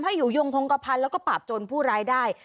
ไม่อยู่ยงฮงกภัณฑ์แล้วก็ปราบโจรผู้รายได้